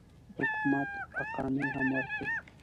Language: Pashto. حکومت اقامې هم ورکړي.